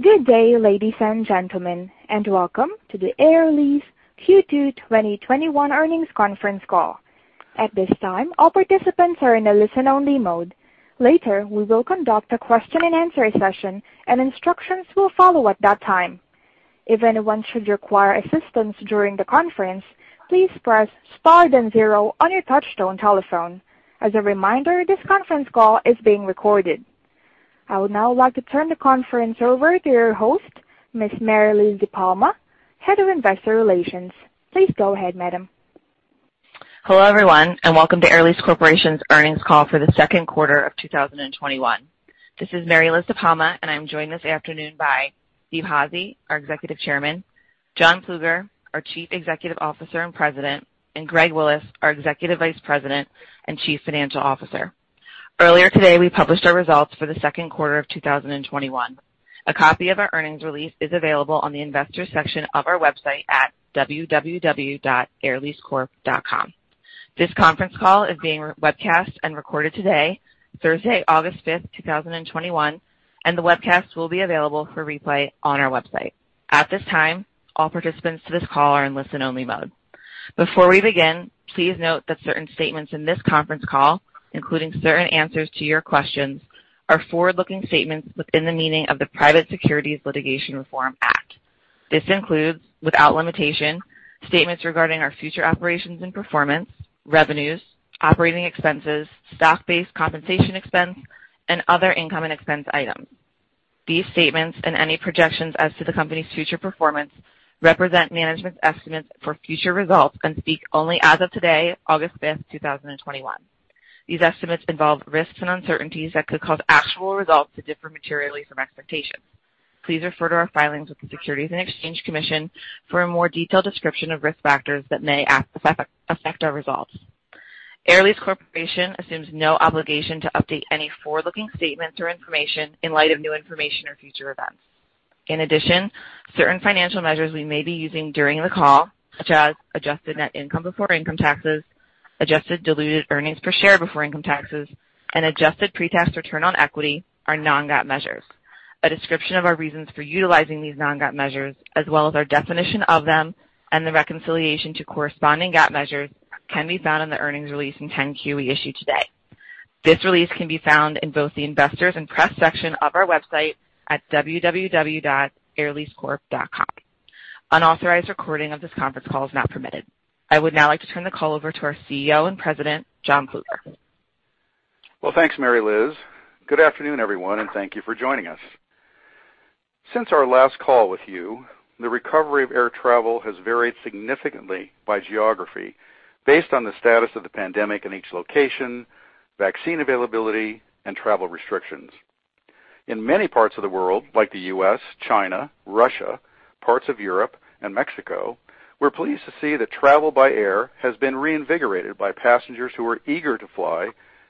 Good day, ladies and gentlemen, and welcome to the Air Lease Q2 2021 earnings conference call. I would now like to turn the conference over to your host, Ms. Mary Liz DePalma, Head of Investor Relations. Please go ahead, madam. Hello, everyone, and welcome to Air Lease Corporation's earnings call for the second quarter of 2021. This is Mary Liz DePalma, and I'm joined this afternoon by Steven Házy, our Executive Chairman, John Plueger, our Chief Executive Officer and President, and Greg Willis, our Executive Vice President and Chief Financial Officer. Earlier today, we published our results for the second quarter of 2021. A copy of our earnings release is available on the investors section of our website at www.airleasecorp.com. This conference call is being webcast and recorded today, Thursday, August 5th, 2021. The webcast will be available for replay on our website. At this time, all participants to this call are in listen-only mode. Before we begin, please note that certain statements in this conference call, including certain answers to your questions, are forward-looking statements within the meaning of the Private Securities Litigation Reform Act. This includes, without limitation, statements regarding our future operations and performance, revenues, operating expenses, stock-based compensation expense, and other income and expense items. These statements and any projections as to the company's future performance represent management's estimates for future results and speak only as of today, August 5th, 2021. These estimates involve risks and uncertainties that could cause actual results to differ materially from expectations. Please refer to our filings with the Securities and Exchange Commission for a more detailed description of risk factors that may affect our results. Air Lease Corporation assumes no obligation to update any forward-looking statements or information in light of new information or future events. In addition, certain financial measures we may be using during the call, such as adjusted net income before income taxes, adjusted diluted earnings per share before income taxes, and adjusted pre-tax return on equity, are non-GAAP measures. A description of our reasons for utilizing these non-GAAP measures, as well as our definition of them and the reconciliation to corresponding GAAP measures, can be found in the earnings release and 10-Q we issued today. This release can be found in both the investors and press section of our website at www.airleasecorp.com. Unauthorized recording of this conference call is not permitted. I would now like to turn the call over to our CEO and President, John Plueger. Well, thanks, Mary Liz. Good afternoon, everyone, and thank you for joining us. Since our last call with you, the recovery of air travel has varied significantly by geography based on the status of the pandemic in each location, vaccine availability, and travel restrictions. In many parts of the U.S., like the U.S., China, Russia, parts of Europe, and Mexico, we're pleased to see that travel by air has been reinvigorated by passengers who are eager to fly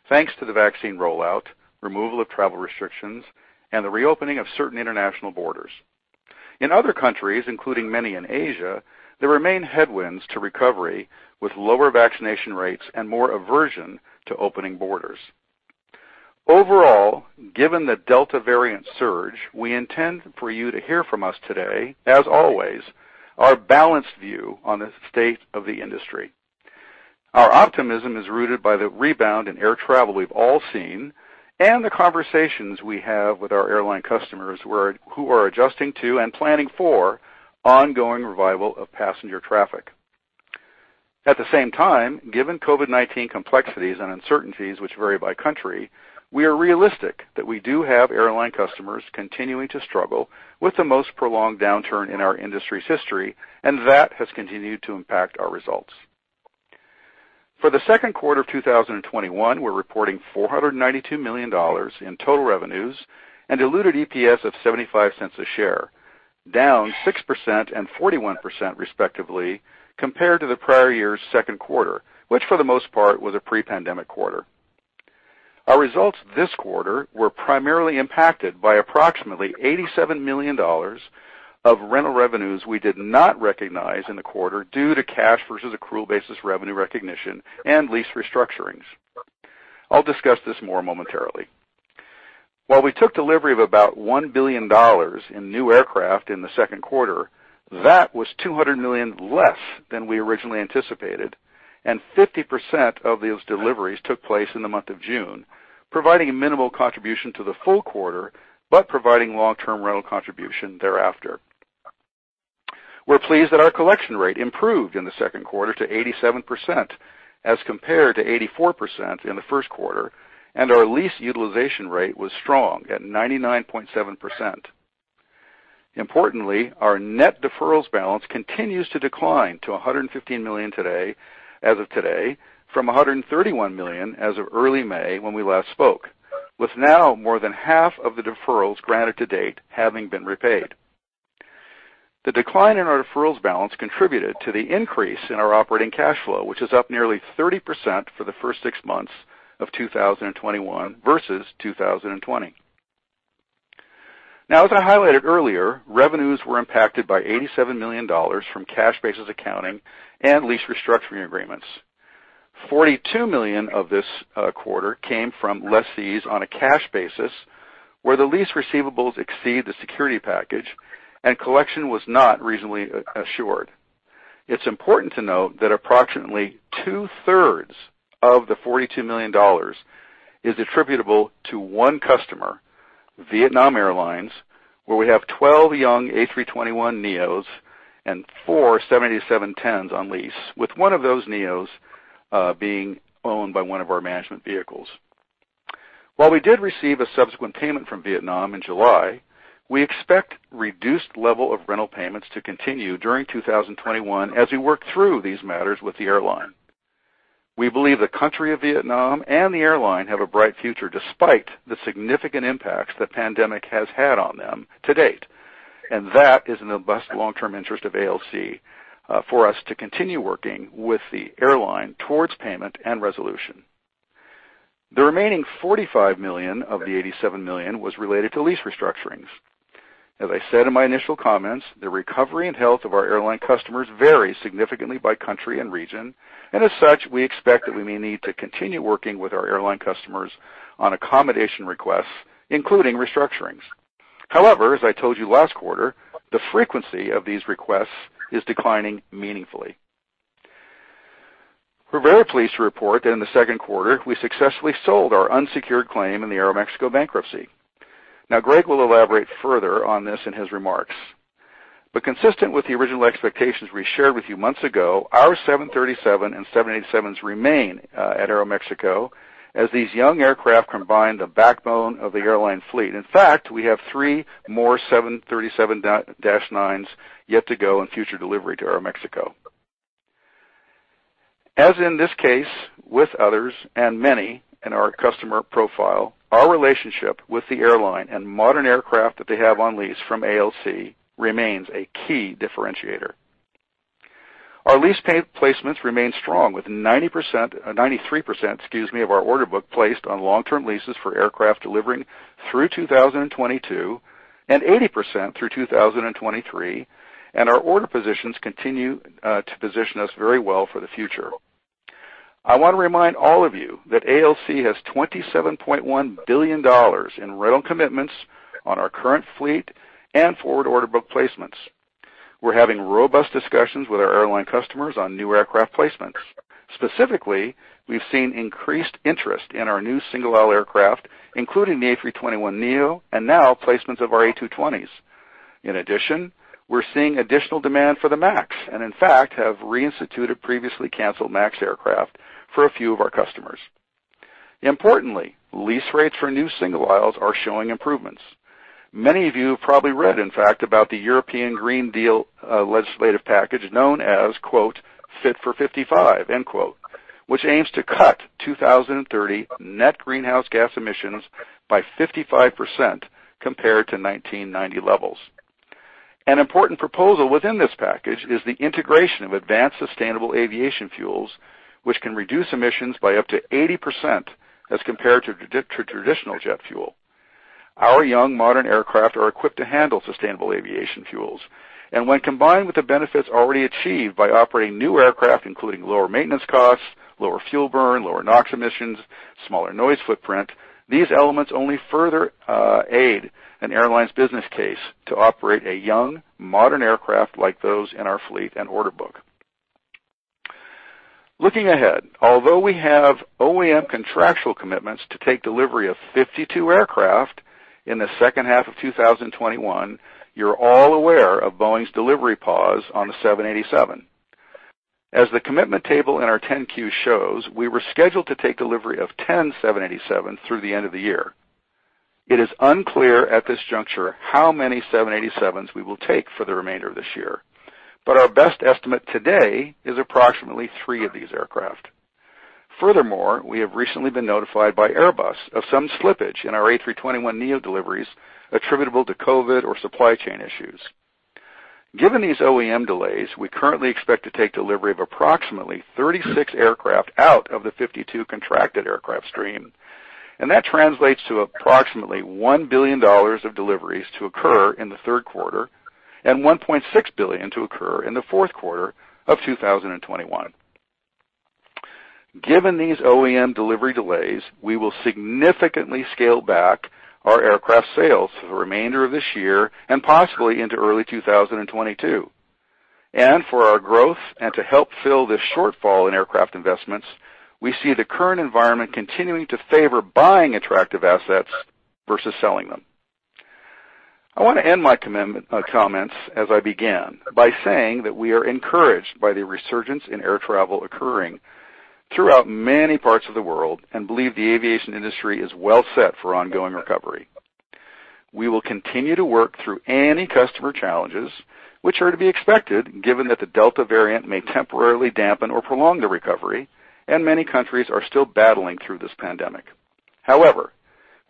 thanks to the vaccine rollout, removal of travel restrictions, and the reopening of certain international borders. In other countries, including many in Asia, there remain headwinds to recovery, with lower vaccination rates and more aversion to opening borders. Overall, given the Delta variant surge, we intend for you to hear from us today, as always, our balanced view on the state of the industry. Our optimism is rooted by the rebound in air travel we've all seen and the conversations we have with our airline customers who are adjusting to and planning for ongoing revival of passenger traffic. Given COVID-19 complexities and uncertainties which vary by country, we are realistic that we do have airline customers continuing to struggle with the most prolonged downturn in our industry's history, and that has continued to impact our results. For the second quarter of 2021, we're reporting $492 million in total revenues and diluted EPS of $0.75 a share, down 6% and 41% respectively compared to the prior year's second quarter, which for the most part was a pre-pandemic quarter. Our results this quarter were primarily impacted by approximately $87 million of rental revenues we did not recognize in the quarter due to cash versus accrual basis revenue recognition and lease restructurings. I'll discuss this more momentarily. While we took delivery of about $1 billion in new aircraft in the second quarter, that was $200 million less than we originally anticipated, and 50% of those deliveries took place in the month of June, providing a minimal contribution to the full quarter, but providing long-term rental contribution thereafter. We're pleased that our collection rate improved in the second quarter to 87%, as compared to 84% in the first quarter, and our lease utilization rate was strong at 99.7%. Importantly, our net deferrals balance continues to decline to $115 million as of today from $131 million as of early May when we last spoke, with now more than half of the deferrals granted to date having been repaid. The decline in our deferrals balance contributed to the increase in our operating cash flow, which is up nearly 30% for the first six months of 2021 versus 2020. As I highlighted earlier, revenues were impacted by $87 million from cash basis accounting and lease restructuring agreements. $42 million of this quarter came from lessees on a cash basis, where the lease receivables exceed the security package and collection was not reasonably assured. It's important to note that approximately 2/3 of the $42 million is attributable to one customer, Vietnam Airlines, where we have 12 young A321neos and four 787-10s on lease, with one of those neos being owned by one of our management vehicles. While we did receive a subsequent payment from Vietnam in July, we expect reduced level of rental payments to continue during 2021 as we work through these matters with the airline. We believe the country of Vietnam and the airline have a bright future, despite the significant impacts the pandemic has had on them to date, and that is in the best long-term interest of ALC for us to continue working with the airline towards payment and resolution. The remaining $45 million of the $87 million was related to lease restructurings. As such, we expect that we may need to continue working with our airline customers on accommodation requests, including restructurings. However, as I told you last quarter, the frequency of these requests is declining meaningfully. We're very pleased to report that in the second quarter, we successfully sold our unsecured claim in the Aeroméxico bankruptcy. Greg will elaborate further on this in his remarks. Consistent with the original expectations we shared with you months ago, our 737 and 787s remain at Aeroméxico, as these young aircraft combine the backbone of the airline fleet. In fact, we have three more 737-9s yet to go in future delivery to Aeroméxico. As in this case with others and many in our customer profile, our relationship with the airline and modern aircraft that they have on lease from ALC remains a key differentiator. Our lease placements remain strong with 93% of our order book placed on long-term leases for aircraft delivering through 2022 and 80% through 2023, and our order positions continue to position us very well for the future. I want to remind all of you that ALC has $27.1 billion in rental commitments on our current fleet and forward order book placements. We're having robust discussions with our airline customers on new aircraft placements. Specifically, we've seen increased interest in our new single-aisle aircraft, including the A321neo and now placements of our A220s. In addition, we're seeing additional demand for the MAX, and in fact, have reinstituted previously canceled MAX aircraft for a few of our customers. Importantly, lease rates for new single aisles are showing improvements. Many of you have probably read, in fact, about the European Green Deal legislative package known as Fit for 55, which aims to cut 2030 net greenhouse gas emissions by 55% compared to 1990 levels. An important proposal within this package is the integration of advanced sustainable aviation fuels, which can reduce emissions by up to 80% as compared to traditional jet fuel. Our young, modern aircraft are equipped to handle sustainable aviation fuels, and when combined with the benefits already achieved by operating new aircraft, including lower maintenance costs, lower fuel burn, lower NOx emissions, smaller noise footprint, these elements only further aid an airline's business case to operate a young, modern aircraft like those in our fleet and order book. Looking ahead, although we have OEM contractual commitments to take delivery of 52 aircraft in the second half of 2021, you're all aware of Boeing's delivery pause on the 787. As the commitment table in our 10-Q shows, we were scheduled to take delivery of 10 787s through the end of the year. It is unclear at this juncture how many 787s we will take for the remainder of this year, but our best estimate today is approximately three of these aircraft. Furthermore, we have recently been notified by Airbus of some slippage in our A321neo deliveries attributable to COVID or supply chain issues. Given these OEM delays, we currently expect to take delivery of approximately 36 aircraft out of the 52 contracted aircraft stream, and that translates to approximately $1 billion of deliveries to occur in the third quarter and $1.6 billion to occur in the fourth quarter of 2021. Given these OEM delivery delays, we will significantly scale back our aircraft sales for the remainder of this year and possibly into early 2022. For our growth and to help fill this shortfall in aircraft investments, we see the current environment continuing to favor buying attractive assets versus selling them. I want to end my comments as I began, by saying that we are encouraged by the resurgence in air travel occurring throughout many parts of the world and believe the aviation industry is well set for ongoing recovery. We will continue to work through any customer challenges which are to be expected, given that the Delta variant may temporarily dampen or prolong the recovery and many countries are still battling through this pandemic.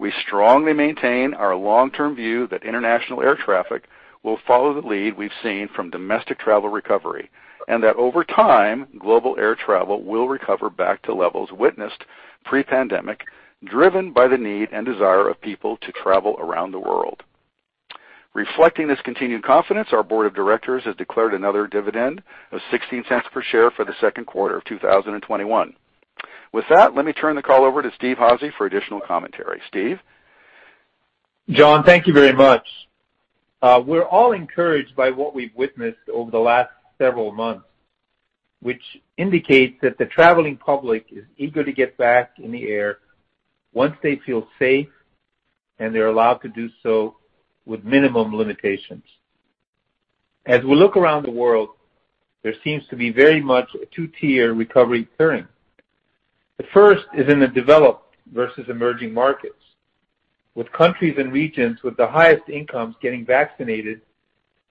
We strongly maintain our long-term view that international air traffic will follow the lead we've seen from domestic travel recovery, and that over time, global air travel will recover back to levels witnessed pre-pandemic, driven by the need and desire of people to travel around the world. Reflecting this continued confidence, our board of directors has declared another dividend of $0.16 per share for the second quarter of 2021. With that, let me turn the call over to Steve Házy for additional commentary. Steve? John, thank you very much. We're all encouraged by what we've witnessed over the last several months, which indicates that the traveling public is eager to get back in the air once they feel safe, and they're allowed to do so with minimum limitations. As we look around the world, there seems to be very much a two-tier recovery occurring. The first is in the developed versus emerging markets, with countries and regions with the highest incomes getting vaccinated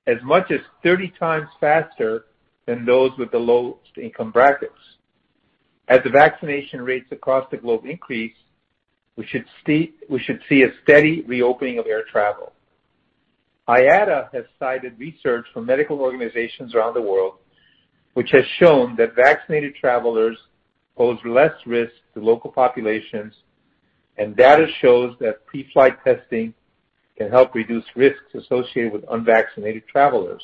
as much as 30 times faster than those with the lowest income brackets. As the vaccination rates across the globe increase, we should see a steady reopening of air travel. IATA has cited research from medical organizations around the world, which has shown that vaccinated travelers pose less risk to local populations, and data shows that pre-flight testing can help reduce risks associated with unvaccinated travelers.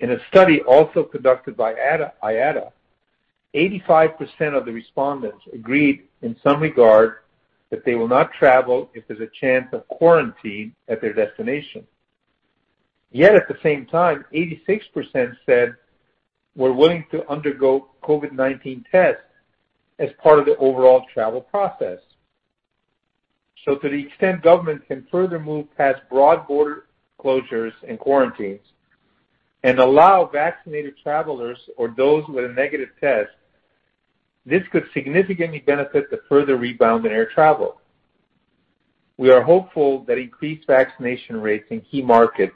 In a study also conducted by IATA, 85% of the respondents agreed in some regard that they will not travel if there's a chance of quarantine at their destination. Yet, at the same time, 86% said we're willing to undergo COVID-19 tests as part of the overall travel process. To the extent government can further move past broad border closures and quarantines and allow vaccinated travelers or those with a negative test, this could significantly benefit the further rebound in air travel. We are hopeful that increased vaccination rates in key markets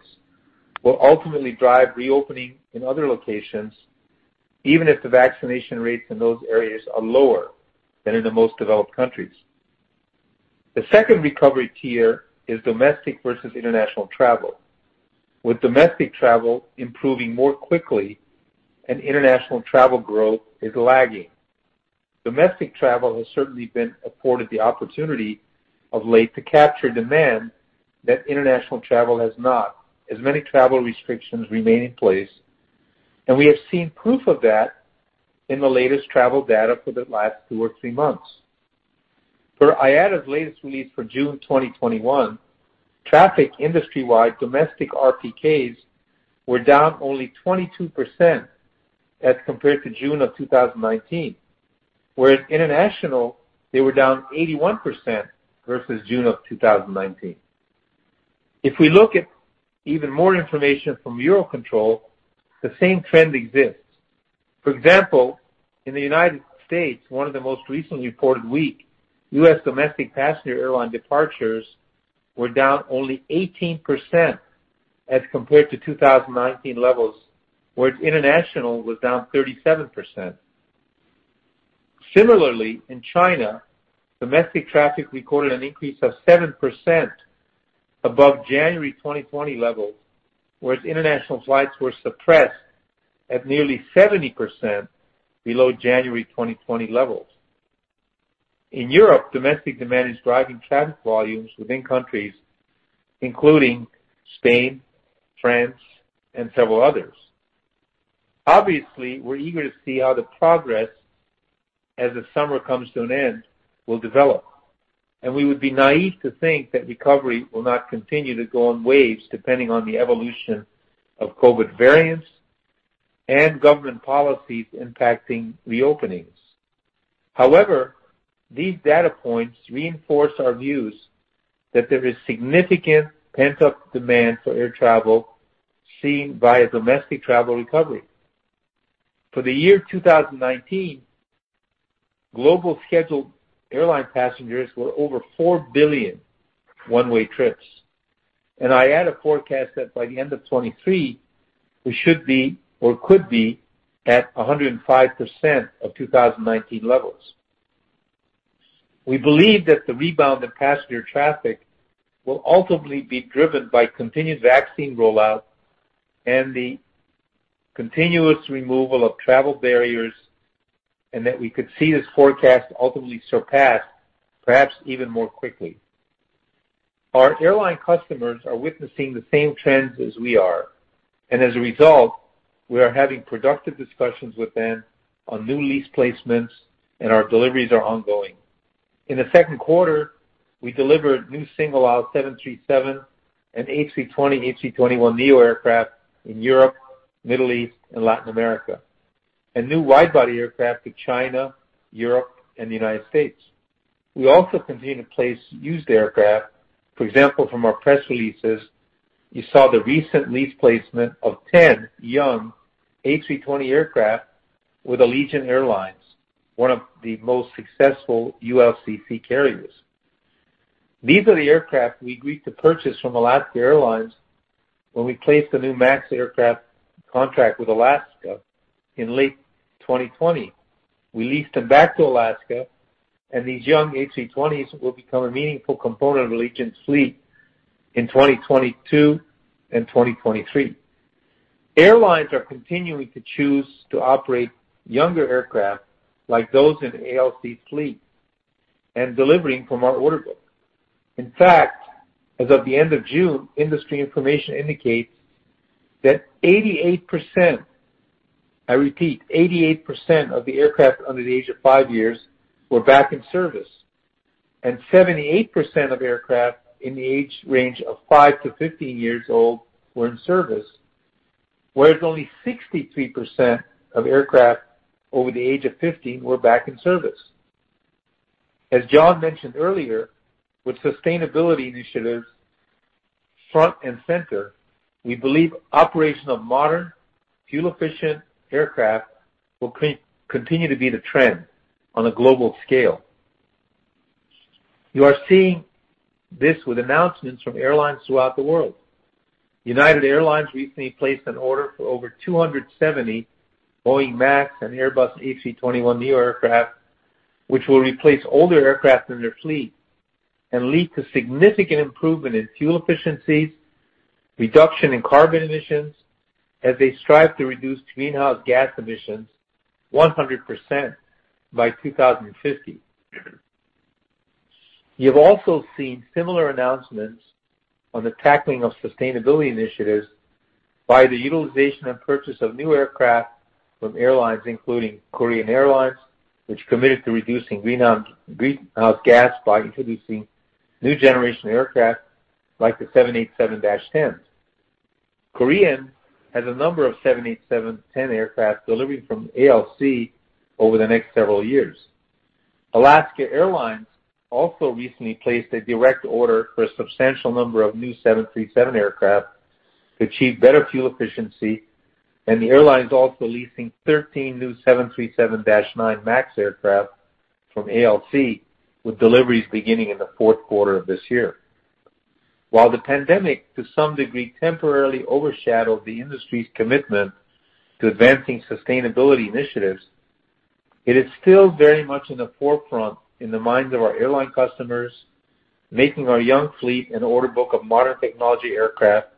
will ultimately drive reopening in other locations, even if the vaccination rates in those areas are lower than in the most developed countries. The second recovery tier is domestic versus international travel, with domestic travel improving more quickly and international travel growth is lagging. Domestic travel has certainly been afforded the opportunity of late to capture demand that international travel has not, as many travel restrictions remain in place. We have seen proof of that in the latest travel data for the last two or three months. Per IATA's latest release for June 2021, traffic industry-wide domestic RPKs were down only 22% as compared to June of 2019. International, they were down 81% versus June of 2019. We look at even more information from Eurocontrol, the same trend exists. For example, in the United States, one of the most recently reported week, U.S. domestic passenger airline departures were down only 18% as compared to 2019 levels. International was down 37%. Similarly, in China, domestic traffic recorded an increase of 7% above January 2020 levels, whereas international flights were suppressed at nearly 70% below January 2020 levels. In Europe, domestic demand is driving traffic volumes within countries, including Spain, France, and several others. Obviously, we're eager to see how the progress as the summer comes to an end will develop, and we would be naive to think that recovery will not continue to go in waves depending on the evolution of COVID variants and government policies impacting reopenings. However, these data points reinforce our views that there is significant pent-up demand for air travel seen by a domestic travel recovery. For the year 2019, global scheduled airline passengers were over 4 billion one-way trips, and IATA forecast that by the end of 2023, we should be or could be at 105% of 2019 levels. We believe that the rebound in passenger traffic will ultimately be driven by continued vaccine rollout and the continuous removal of travel barriers, and that we could see this forecast ultimately surpassed, perhaps even more quickly. Our airline customers are witnessing the same trends as we are, and as a result, we are having productive discussions with them on new lease placements and our deliveries are ongoing. In the second quarter, we delivered new single-aisle 737 and A320, A321neo aircraft in Europe, Middle East, and Latin America. New wide-body aircraft to China, Europe, and the United States. We also continue to place used aircraft. For example, from our press releases, you saw the recent lease placement of 10 young A320 aircraft with Allegiant Air, one of the most successful ULCC carriers. These are the aircraft we agreed to purchase from Alaska Airlines when we placed a new MAX aircraft contract with Alaska in late 2020. We leased them back to Alaska. These young A320s will become a meaningful component of Allegiant's fleet in 2022 and 2023. Airlines are continuing to choose to operate younger aircraft like those in ALC's fleet and delivering from our order book. In fact, as of the end of June, industry information indicates that 88%, I repeat, 88% of the aircraft under the age of five years were back in service, and 78% of aircraft in the age range of 5 years-15 years old were in service, whereas only 63% of aircraft over the age of 15 were back in service. As John mentioned earlier, with sustainability initiatives front and center, we believe operation of modern, fuel-efficient aircraft will continue to be the trend on a global scale. You are seeing this with announcements from airlines throughout the world. United Airlines recently placed an order for over 270 Boeing MAX and Airbus A220 new aircraft, which will replace older aircraft in their fleet and lead to significant improvement in fuel efficiencies, reduction in carbon emissions as they strive to reduce greenhouse gas emissions 100% by 2050. You've also seen similar announcements on the tackling of sustainability initiatives by the utilization and purchase of new aircraft from airlines, including Korean Air, which committed to reducing greenhouse gas by introducing new generation aircraft like the 787-10s. Korean has a number of 787-10 aircraft delivering from ALC over the next several years. Alaska Airlines also recently placed a direct order for a substantial number of new 737 aircraft to achieve better fuel efficiency, and the airline's also leasing 13 new 737-9 MAX aircraft from ALC, with deliveries beginning in the fourth quarter of this year. While the pandemic, to some degree, temporarily overshadowed the industry's commitment to advancing sustainability initiatives, it is still very much in the forefront in the minds of our airline customers, making our young fleet and order book of modern technology aircraft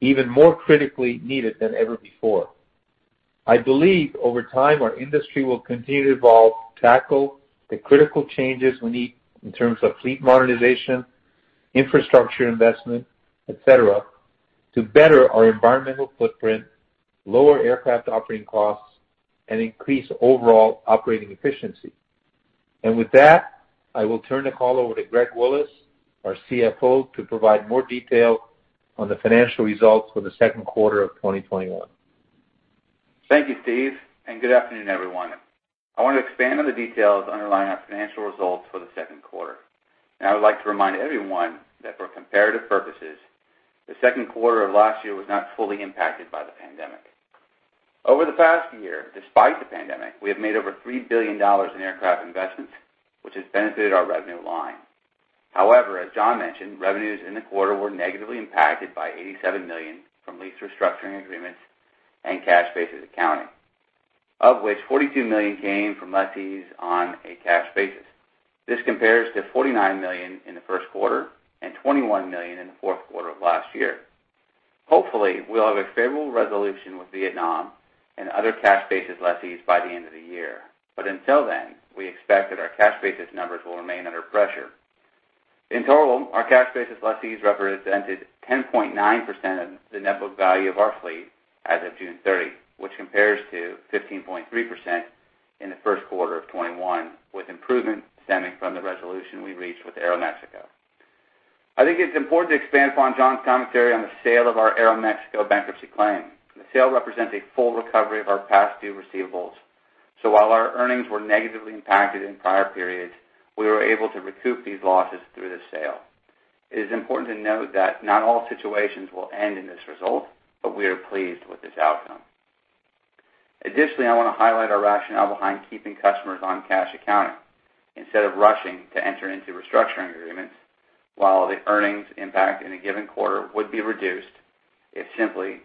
even more critically needed than ever before. I believe over time, our industry will continue to evolve to tackle the critical changes we need in terms of fleet modernization, infrastructure investment, et cetera, to better our environmental footprint, lower aircraft operating costs, and increase overall operating efficiency. With that, I will turn the call over to Greg Willis, our CFO, to provide more detail on the financial results for the second quarter of 2021. Thank you, Steve. Good afternoon, everyone. I want to expand on the details underlying our financial results for the second quarter. I would like to remind everyone that for comparative purposes, the second quarter of last year was not fully impacted by the pandemic. Over the past year, despite the pandemic, we have made over $3 billion in aircraft investments, which has benefited our revenue line. However, as John mentioned, revenues in the quarter were negatively impacted by $87 million from lease restructuring agreements and cash basis accounting, of which $42 million came from lessees on a cash basis. This compares to $49 million in the first quarter and $21 million in the fourth quarter of last year. Hopefully, we'll have a favorable resolution with Vietnam Airlines and other cash basis lessees by the end of the year. Until then, we expect that our cash basis numbers will remain under pressure. In total, our cash basis lessees represented 10.9% of the net book value of our fleet as of June 30, which compares to 15.3% in the first quarter of 2021, with improvement stemming from the resolution we reached with Aeroméxico. I think it's important to expand upon John's commentary on the sale of our Aeroméxico bankruptcy claim. The sale represents a full recovery of our past due receivables, while our earnings were negatively impacted in prior periods, we were able to recoup these losses through the sale. It is important to note that not all situations will end in this result, but we are pleased with this outcome. Additionally, I want to highlight our rationale behind keeping customers on cash accounting instead of rushing to enter into restructuring agreements while the earnings impact in a given quarter would be reduced if we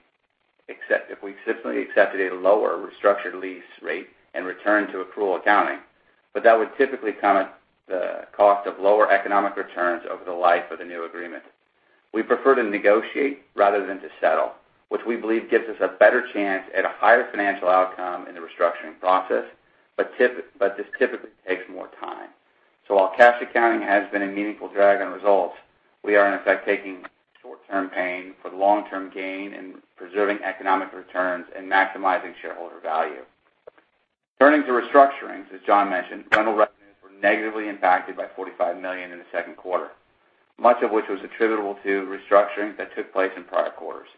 simply accepted a lower restructured lease rate and returned to accrual accounting. That would typically come at the cost of lower economic returns over the life of the new agreement. We prefer to negotiate rather than to settle, which we believe gives us a better chance at a higher financial outcome in the restructuring process, but this typically takes more time. While cash accounting has been a meaningful drag on results, we are in effect taking short-term pain for the long-term gain in preserving economic returns and maximizing shareholder value. Turning to restructurings, as John mentioned, rental revenues were negatively impacted by $45 million in the second quarter, much of which was attributable to restructurings that took place in prior quarters.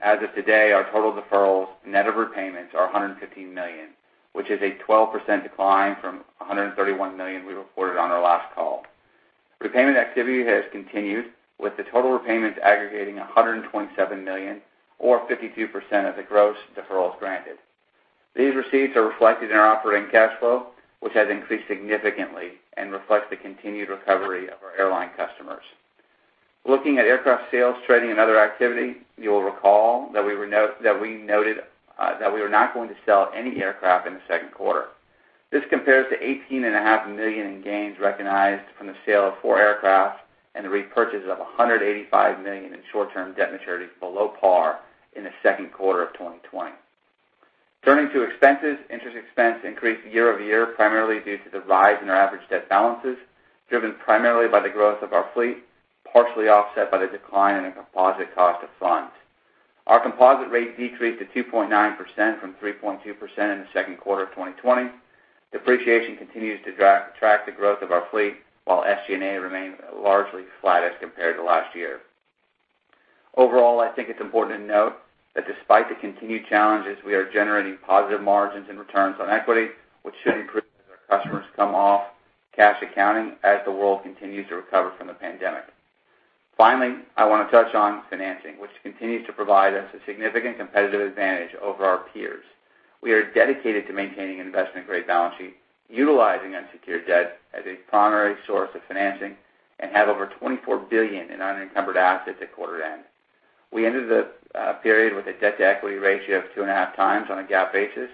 As of today, our total deferrals, net of repayments, are $115 million, which is a 12% decline from $131 million we reported on our last call. Repayment activity has continued, with the total repayments aggregating $127 million or 52% of the gross deferrals granted. These receipts are reflected in our operating cash flow, which has increased significantly and reflects the continued recovery of our airline customers. Looking at aircraft sales, trading, and other activity, you'll recall that we noted that we were not going to sell any aircraft in the second quarter. This compares to $18.5 million in gains recognized from the sale of four aircraft and the repurchase of $185 million in short-term debt maturities below par in the second quarter of 2020. Turning to expenses, interest expense increased year-over-year, primarily due to the rise in our average debt balances, driven primarily by the growth of our fleet, partially offset by the decline in the composite cost of funds. Our composite rate decreased to 2.9% from 3.2% in the second quarter of 2020. Depreciation continues to track the growth of our fleet, while SG&A remained largely flat as compared to last year. Overall, I think it's important to note that despite the continued challenges, we are generating positive margins and returns on equity, which should improve as our customers come off cash accounting as the world continues to recover from the pandemic. Finally, I want to touch on financing, which continues to provide us a significant competitive advantage over our peers. We are dedicated to maintaining an investment-grade balance sheet, utilizing unsecured debt as a primary source of financing, and have over $24 billion in unencumbered assets at quarter end. We ended the period with a debt-to-equity ratio of 2.5 times on a GAAP basis.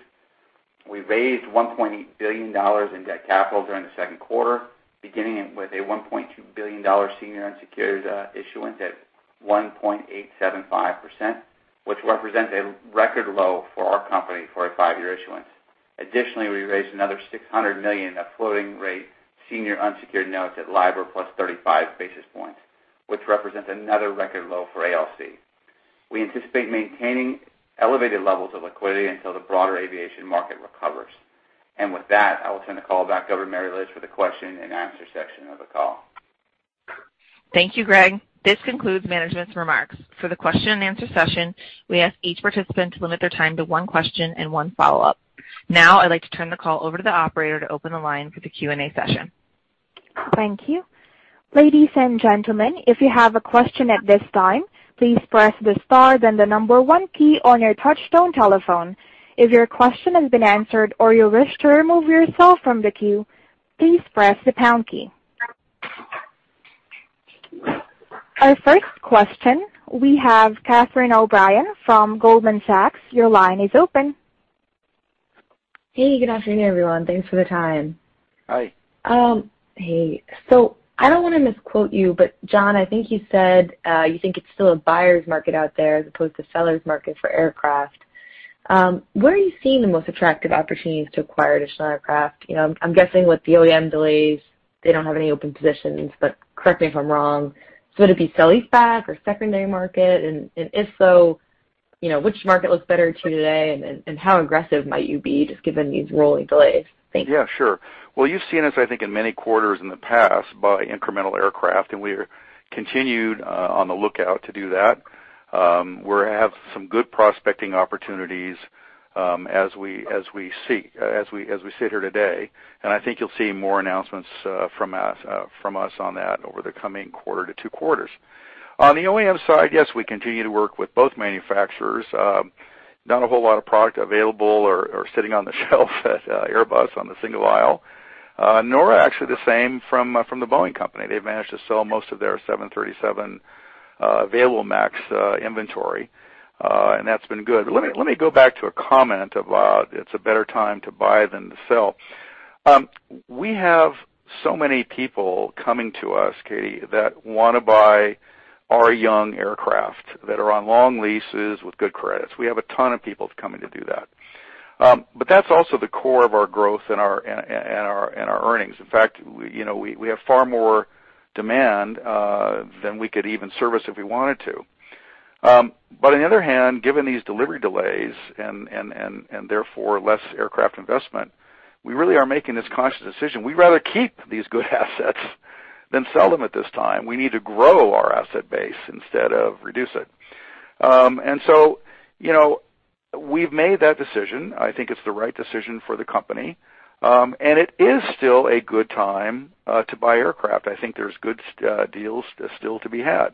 We raised $1.8 billion in debt capital during the second quarter, beginning with a $1.2 billion senior unsecured issuance at 1.875%, which represents a record low for our company for a five-year issuance. Additionally, we raised another $600 million of floating rate senior unsecured notes at LIBOR +35 basis points, which represents another record low for ALC. We anticipate maintaining elevated levels of liquidity until the broader aviation market recovers. With that, I will turn the call back over to Mary Liz for the question and answer section of the call. Thank you, Greg. This concludes management's remarks. For the question-and-answer session, we ask each participant to limit their time to one question and one follow-up. I'd like to turn the call over to the Operator to open the line for the Q&A session. Thank you. Ladies and gentlemen, if you have a question at this time, please press the star, then the number one key on your touch-tone telephone. If your question has been answered or you wish to remove yourself from the queue, please press the pound key. Our first question, we have Catherine O'Brien from Goldman Sachs. Your line is open. Hey, good afternoon, everyone. Thanks for the time. Hi. Hey. I don't want to misquote you, but John, I think you said, you think it's still a buyer's market out there as opposed to seller's market for aircraft. Where are you seeing the most attractive opportunities to acquire additional aircraft? I'm guessing with the OEM delays, they don't have any open positions, but correct me if I'm wrong. Would it be leaseback or secondary market? If so, which market looks better to you today and how aggressive might you be just given these rolling delays? Thanks. Yeah, sure. Well, you've seen us, I think, in many quarters in the past buy incremental aircraft, and we're continued on the lookout to do that. We have some good prospecting opportunities as we sit here today, and I think you'll see more announcements from us on that over the coming quarter-to-quarters. On the OEM side, yes, we continue to work with both manufacturers. Not a whole lot of product available or sitting on the shelf at Airbus on the single aisle. Nor actually the same from the Boeing company. They've managed to sell most of their 737 available MAX inventory, and that's been good. Let me go back to a comment about it's a better time to buy than to sell. We have so many people coming to us, Katie, that want to buy our young aircraft that are on long leases with good credits. We have a ton of people coming to do that. That's also the core of our growth and our earnings. In fact, we have far more demand than we could even service if we wanted to. On the other hand, given these delivery delays and therefore less aircraft investment, we really are making this conscious decision. We'd rather keep these good assets than sell them at this time. We need to grow our asset base instead of reduce it. We've made that decision. I think it's the right decision for the company. It is still a good time to buy aircraft. I think there's good deals still to be had.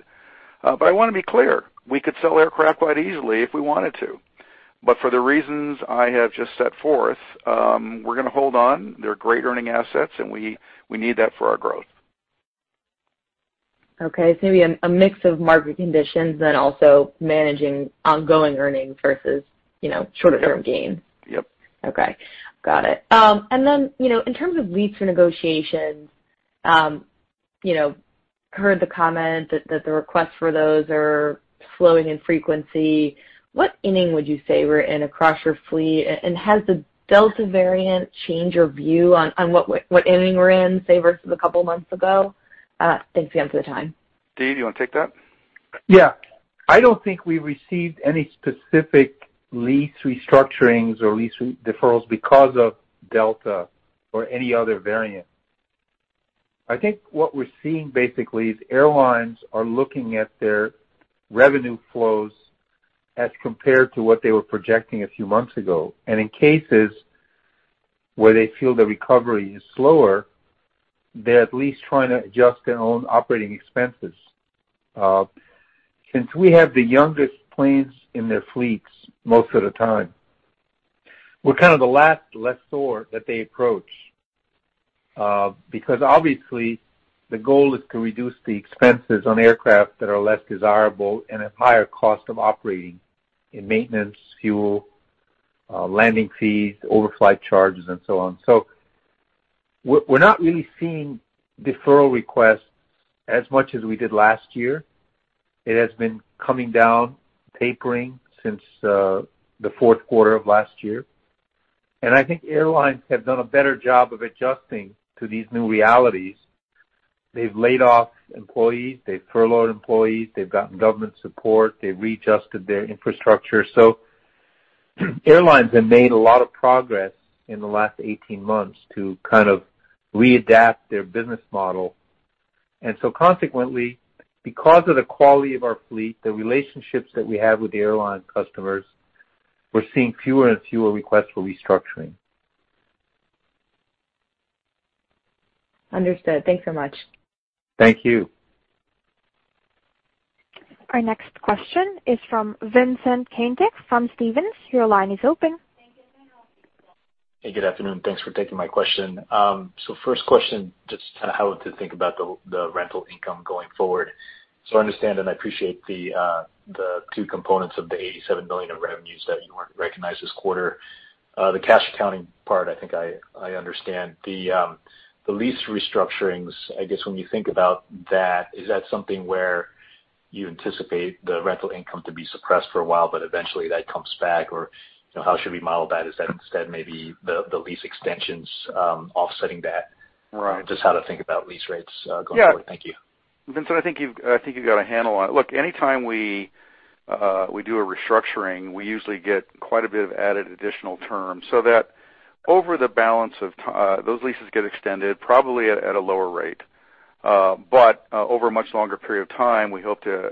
I want to be clear, we could sell aircraft quite easily if we wanted to. For the reasons I have just set forth, we're going to hold on. They're great earning assets, and we need that for our growth. Okay. Maybe a mix of market conditions, then also managing ongoing earnings versus shorter-term gains. Yep. Okay. Got it. In terms of lease negotiations, heard the comment that the requests for those are flowing in frequency. What inning would you say we're in across your fleet? Has the Delta variant changed your view on what inning we're in, say, versus a couple of months ago? Thanks again for the time. Steven, do you want to take that? Yeah. I don't think we received any specific lease restructurings or lease deferrals because of Delta variant or any other variant. I think what we're seeing basically is airlines are looking at their revenue flows as compared to what they were projecting a few months ago. In cases where they feel the recovery is slower, they're at least trying to adjust their own operating expenses. Since we have the youngest planes in their fleets most of the time, we're kind of the last lessor that they approach Obviously, the goal is to reduce the expenses on aircraft that are less desirable and have higher cost of operating and maintenance, fuel, landing fees, overflight charges, and so on. We're not really seeing deferral requests as much as we did last year. It has been coming down, tapering since the fourth quarter of last year. I think airlines have done a better job of adjusting to these new realities. They've laid off employees. They've furloughed employees. They've gotten government support. They've readjusted their infrastructure. Airlines have made a lot of progress in the last 18 months to kind of readapt their business model. Consequently, because of the quality of our fleet, the relationships that we have with the airline customers, we're seeing fewer and fewer requests for restructuring. Understood. Thanks so much. Thank you. Our next question is from Vincent Caintic from Stephens. Your line is open. Hey. Good afternoon. Thanks for taking my question. First question, just how to think about the rental income going forward. I understand and I appreciate the two components of the $87 million of revenues that you recognized this quarter. The cash accounting part, I think I understand. The lease restructurings, I guess when you think about that, is that something where you anticipate the rental income to be suppressed for a while, but eventually that comes back? How should we model that? Is that instead maybe the lease extensions offsetting that? Right. Just how to think about lease rates going forward. Thank you. Vincent, I think you've got a handle on it. Look, anytime we do a restructuring, we usually get quite a bit of added additional terms, so that over the balance of time, those leases get extended probably at a lower rate. Over a much longer period of time, we hope to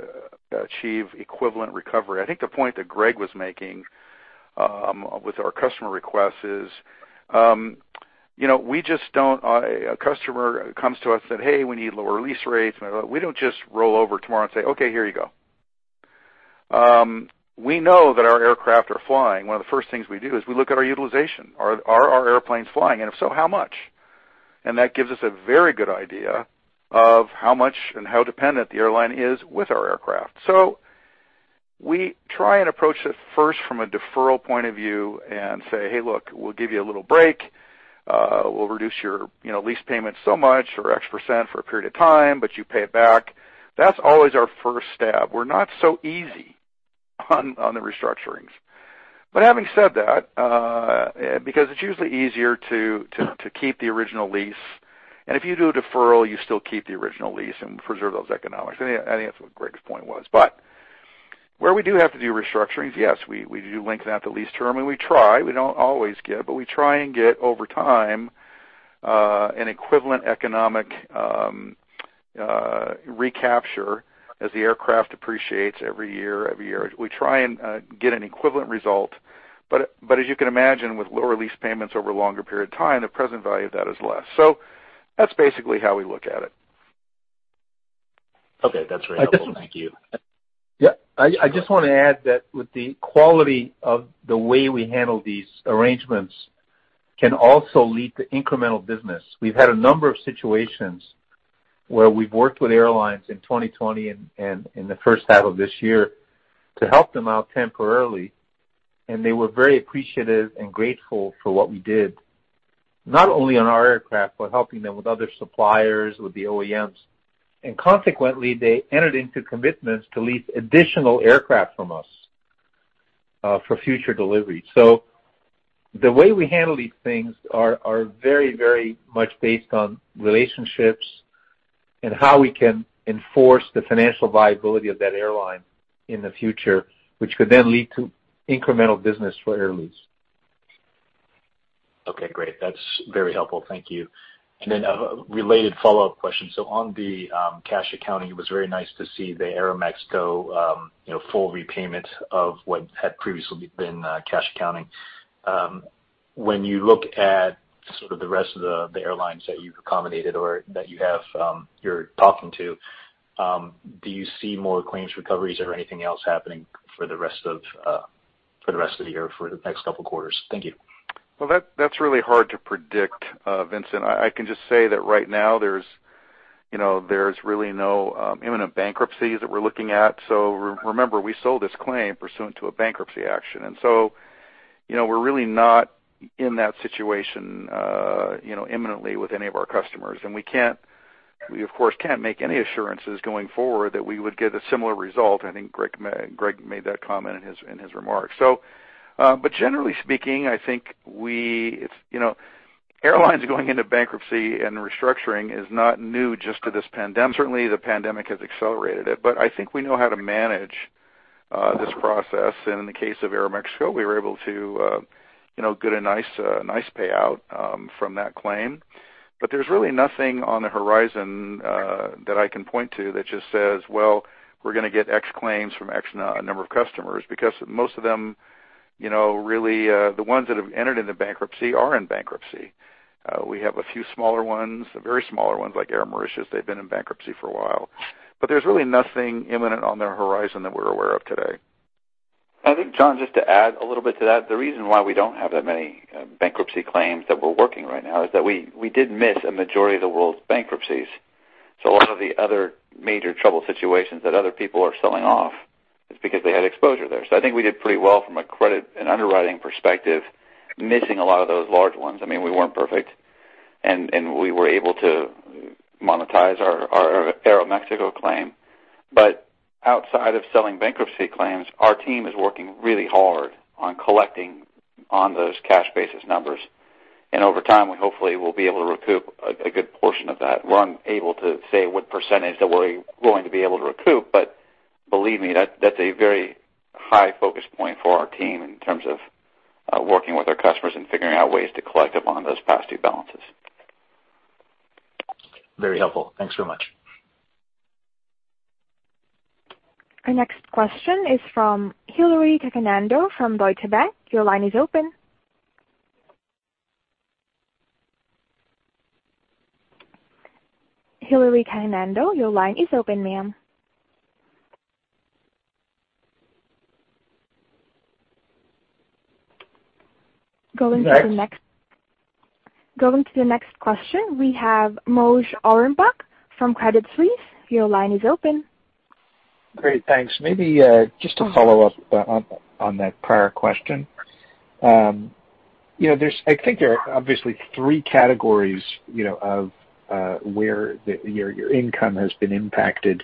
achieve equivalent recovery. I think the point that Greg was making with our customer requests is, a customer comes to us and said, Hey, we need lower lease rates. We don't just roll over tomorrow and say, Okay, here you go. We know that our aircraft are flying. One of the first things we do is we look at our utilization. Are our airplanes flying? If so, how much? That gives us a very good idea of how much and how dependent the airline is with our aircraft. We try and approach it first from a deferral point of view and say, Hey, look, we'll give you a little break. We'll reduce your lease payment so much or X% for a period of time, but you pay it back. That's always our first stab. We're not so easy on the restructurings. Having said that, because it's usually easier to keep the original lease, and if you do a deferral, you still keep the original lease and preserve those economics. I think that's what Greg's point was. Where we do have to do restructurings, yes, we do lengthen out the lease term, and we try. We don't always get, but we try and get, over time, an equivalent economic recapture as the aircraft appreciates every year. We try and get an equivalent result. As you can imagine, with lower lease payments over a longer period of time, the present value of that is less. That's basically how we look at it. Okay. That's very helpful. Thank you. Yeah. I just want to add that with the quality of the way we handle these arrangements can also lead to incremental business. We've had a number of situations where we've worked with airlines in 2020 and in the first half of this year to help them out temporarily. They were very appreciative and grateful for what we did, not only on our aircraft, but helping them with other suppliers, with the OEMs. Consequently, they entered into commitments to lease additional aircraft from us for future delivery. The way we handle these things are very much based on relationships and how we can enforce the financial viability of that airline in the future, which could then lead to incremental business for Air Lease. Okay, great. That's very helpful. Thank you. Then a related follow-up question. On the cash accounting, it was very nice to see the Aeroméxico full repayment of what had previously been cash accounting. When you look at sort of the rest of the airlines that you've accommodated or that you're talking to, do you see more claims recoveries or anything else happening for the rest of the year, for the next couple of quarters? Thank you. That's really hard to predict, Vincent. I can just say that right now there's really no imminent bankruptcies that we're looking at. Remember, we sold this claim pursuant to a bankruptcy action, we're really not in that situation imminently with any of our customers. We of course, can't make any assurances going forward that we would get a similar result. I think Greg made that comment in his remarks. Generally speaking, I think airlines going into bankruptcy and restructuring is not new just to this pandemic. Certainly, the pandemic has accelerated it, I think we know how to manage this process. In the case of Aeroméxico, we were able to get a nice payout from that claim. There's really nothing on the horizon that I can point to that just says, Well, we're going to get X claims from X number of customers, because most of them, really, the ones that have entered into bankruptcy are in bankruptcy. We have a few smaller ones, very smaller ones like Air Mauritius, they've been in bankruptcy for a while. There's really nothing imminent on the horizon that we're aware of today. I think, John, just to add a little bit to that. The reason why we don't have that many bankruptcy claims that we're working right now is that we did miss a majority of the world's bankruptcies. A lot of the other major trouble situations that other people are selling off is because they had exposure there. I think we did pretty well from a credit and underwriting perspective, missing a lot of those large ones. We weren't perfect, and we were able to monetize our Aeroméxico claim. Outside of selling bankruptcy claims, our team is working really hard on collecting on those cash basis numbers. Over time, we hopefully will be able to recoup a good portion of that. We're unable to say what percentage that we're going to be able to recoup, but believe me, that's a very high focus point for our team in terms of working with our customers and figuring out ways to collect upon those past due balances. Very helpful. Thanks very much. Our next question is from Hillary Cacanando from Deutsche Bank. Your line is open. Hillary Cacanando, your line is open, ma'am. Going to the next- Next. Going to the next question, we have Moshe Orenbuch from Credit Suisse. Your line is open. Great, thanks. Maybe just to follow up on that prior question. I think there are obviously threee categories of where your income has been impacted,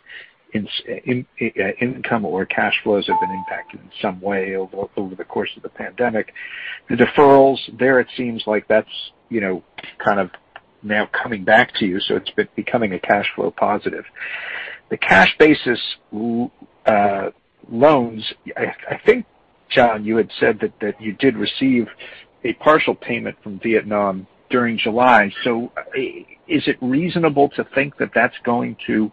income or cash flows have been impacted in some way over the course of the pandemic. The deferrals, there it seems like that's now coming back to you, so it's becoming a cash flow positive. The cash basis loans, I think, John, you had said that you did receive a partial payment from Vietnam during July. Is it reasonable to think that that's going to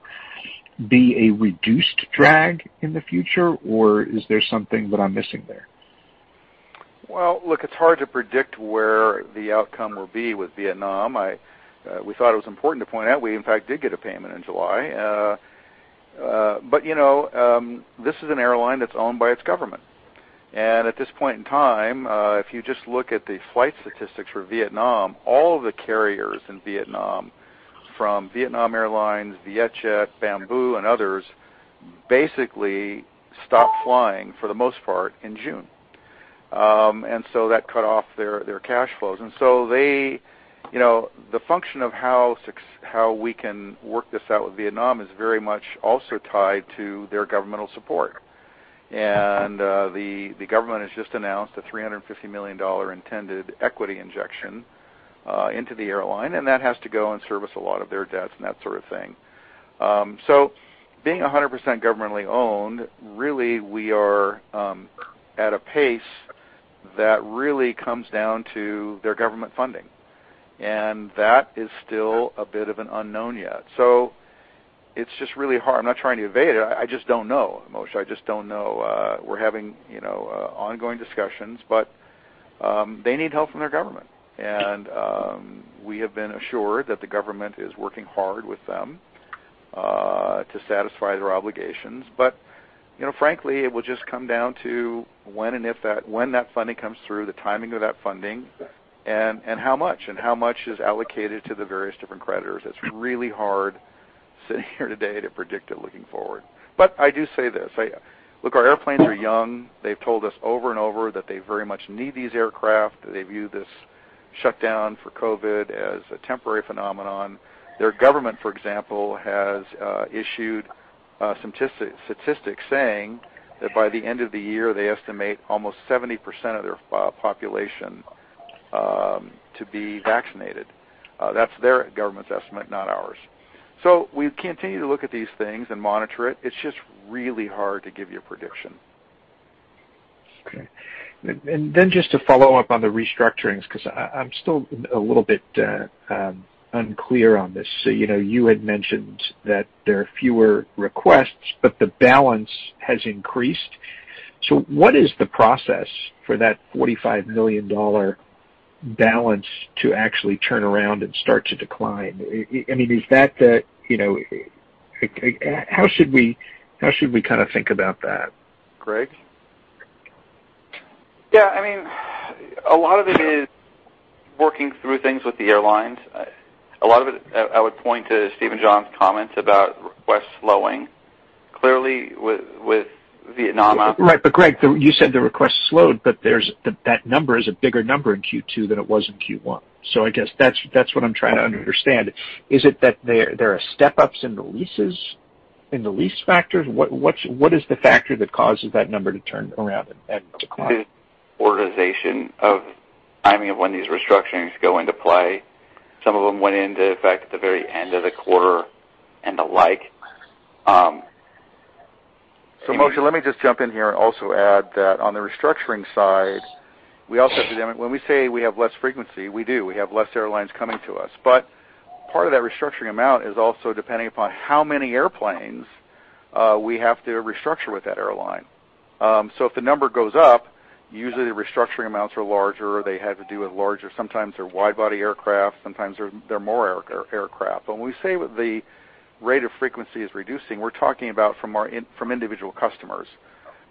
be a reduced drag in the future, or is there something that I'm missing there? Well, look, it's hard to predict where the outcome will be with Vietnam. We thought it was important to point out we, in fact, did get a payment in July. This is an airline that's owned by its government. At this point in time, if you just look at the flight statistics for Vietnam, all the carriers in Vietnam, from Vietnam Airlines, Vietjet, Bamboo, and others, basically stopped flying for the most part in June. That cut off their cash flows. The function of how we can work this out with Vietnam is very much also tied to their governmental support. The government has just announced a $350 million intended equity injection into the airline, and that has to go and service a lot of their debts and that sort of thing. Being 100% governmentally owned, really, we are at a pace that really comes down to their government funding. That is still a bit of an unknown yet. It's just really hard. I'm not trying to evade it. I just don't know, Moshe. I just don't know. We're having ongoing discussions, but they need help from their government. We have been assured that the government is working hard with them to satisfy their obligations. Frankly, it will just come down to when that funding comes through, the timing of that funding, and how much is allocated to the various different creditors. It's really hard sitting here today to predict it looking forward. I do say this. Look, our airplanes are young. They've told us over and over that they very much need these aircraft. They view this shutdown for COVID as a temporary phenomenon. Their government, for example, has issued statistics saying that by the end of the year, they estimate almost 70% of their population to be vaccinated. That's their government's estimate, not ours. We continue to look at these things and monitor it. It's just really hard to give you a prediction. Okay. Just to follow up on the restructurings, because I'm still a little bit unclear on this. You had mentioned that there are fewer requests, but the balance has increased. What is the process for that $45 million balance to actually turn around and start to decline? How should we think about that? Greg? Yeah. A lot of it is working through things with the airlines. A lot of it I would point to Steve and John's comments about requests slowing. Clearly, with Vietnam- Right, Greg, you said the requests slowed, but that number is a bigger number in Q2 than it was in Q1. I guess that's what I'm trying to understand. Is it that there are step-ups in the leases, in the lease factors? What is the factor that causes that number to turn around and decline? I think it's organization of timing of when these restructurings go into play. Some of them went in fact, at the very end of the quarter and the like. Moshe, let me just jump in here and also add that on the restructuring side, when we say we have less frequency, we do. We have less airlines coming to us. Part of that restructuring amount is also depending upon how many airplanes we have to restructure with that airline. If the number goes up. Usually, the restructuring amounts are larger. They have to do with larger, sometimes they're wide-body aircraft, sometimes they're more aircraft. When we say that the rate of frequency is reducing, we're talking about from individual customers.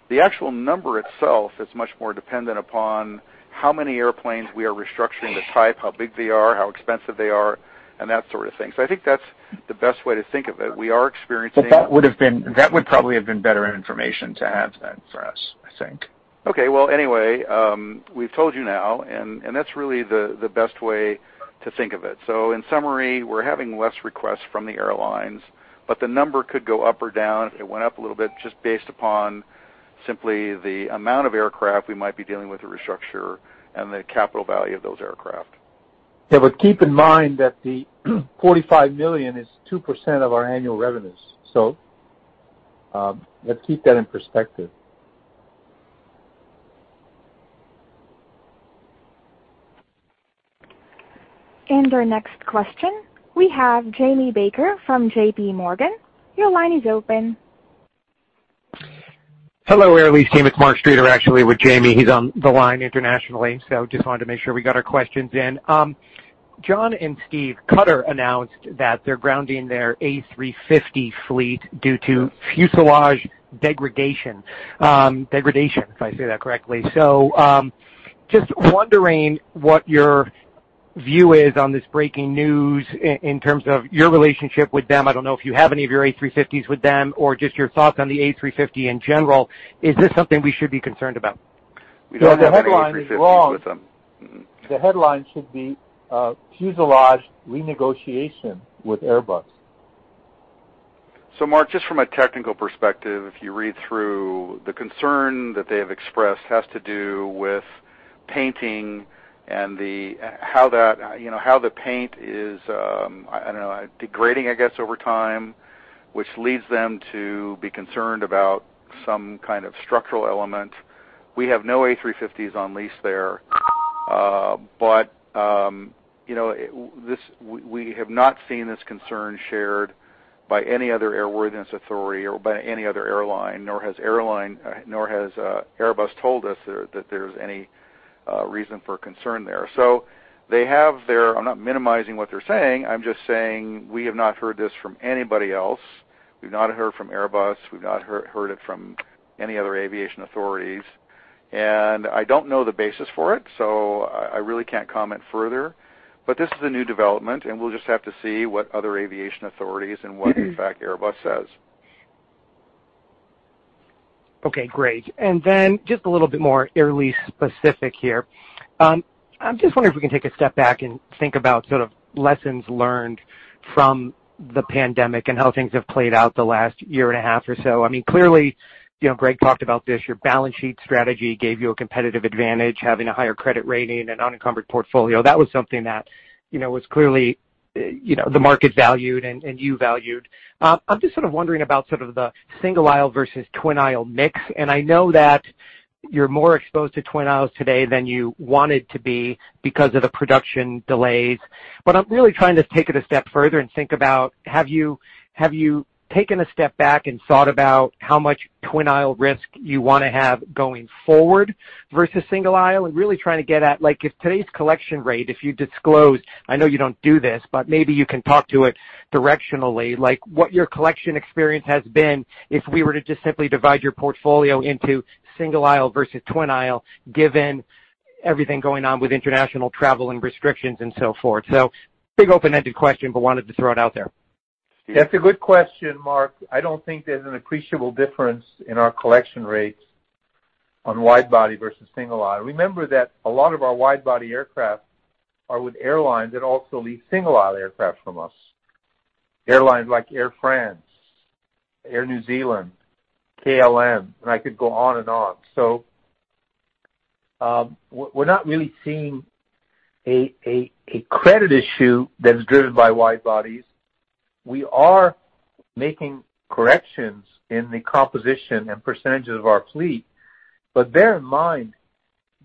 The actual number itself is much more dependent upon how many airplanes we are restructuring, the type, how big they are, how expensive they are, and that sort of thing. I think that's the best way to think of it. That would probably have been better information to have then for us, I think. Okay. Well, anyway, we’ve told you now. That’s really the best way to think of it. In summary, we’re having less requests from the airlines. The number could go up or down. It went up a little bit just based upon simply the amount of aircraft we might be dealing with a restructure and the capital value of those aircraft. Yeah. Keep in mind that the $45 million is 2% of our annual revenues. Let's keep that in perspective. Our next question, we have Jamie Baker from JPMorgan. Your line is open. Hello, Air Lease team. It's Mark Streeter, actually, with Jamie. He's on the line internationally, so just wanted to make sure we got our questions in. John and Steve, Qatar announced that they're grounding their A350 fleet due to fuselage degradation. Degradation, if I say that correctly. Just wondering what your view is on this breaking news in terms of your relationship with them. I don't know if you have any of your A350s with them or just your thoughts on the A350 in general. Is this something we should be concerned about? We don't have any A350s with them. Mm-mm. The headline is wrong. The headline should be, Fuselage Renegotiation with Airbus. Mark, just from a technical perspective, if you read through, the concern that they have expressed has to do with painting and how the paint is, I don't know, degrading, I guess, over time, which leads them to be concerned about some kind of structural element. We have no A350s on lease there. We have not seen this concern shared by any other airworthiness authority or by any other airline, nor has Airbus told us that there's any reason for concern there. They have their I'm not minimizing what they're saying. I'm just saying we have not heard this from anybody else. We've not heard from Airbus. We've not heard it from any other aviation authorities, and I don't know the basis for it, so I really can't comment further. This is a new development, and we'll just have to see what other aviation authorities and what, in fact, Airbus says. Okay, great. Just a little bit more Air Lease specific here. I'm just wondering if we can take a step back and think about sort of lessons learned from the pandemic and how things have played out the last year and a half or so. Clearly, Greg talked about this, your balance sheet strategy gave you a competitive advantage, having a higher credit rating, an unencumbered portfolio. That was something that was clearly the market valued and you valued. I'm just sort of wondering about sort of the single aisle versus twin aisle mix, and I know that you're more exposed to twin aisles today than you wanted to be because of the production delays. I'm really trying to take it a step further and think about, have you taken a step back and thought about how much twin aisle risk you want to have going forward versus single aisle? Really trying to get at, if today's collection rate, if you disclosed, I know you don't do this, but maybe you can talk to it directionally, what your collection experience has been if we were to just simply divide your portfolio into single aisle versus twin aisle, given everything going on with international travel and restrictions and so forth. Big open-ended question, but wanted to throw it out there. That's a good question, Mark. I don't think there's an appreciable difference in our collection rates on wide body versus single aisle. Remember that a lot of our wide body aircraft are with airlines that also lease single aisle aircraft from us. Airlines like Air France, Air New Zealand, KLM, I could go on and on. We're not really seeing a credit issue that's driven by wide bodies. Bear in mind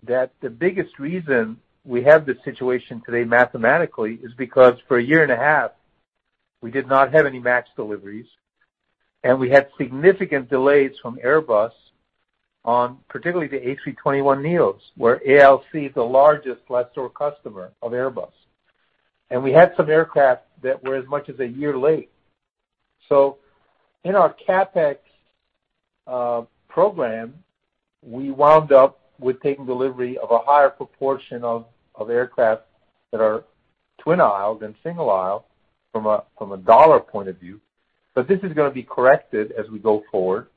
that the biggest reason we have this situation today mathematically is because for a year and a half, we did not have any MAX deliveries, and we had significant delays from Airbus on particularly the A321neos, where ALC is the largest lessor customer of Airbus. We had some aircraft that were as much as a year late. In our CapEx program, we wound up with taking delivery of a higher proportion of aircraft that are twin aisle than single aisle from a dollar point of view. This is going to be corrected as we go forward